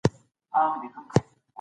د افغانانو زړه د هغه په زړورتیا ډک وه